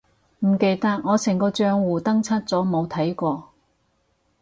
唔記得，我成個帳戶登出咗冇睇過